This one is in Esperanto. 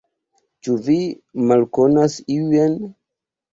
Ĉu vi malkonas iujn?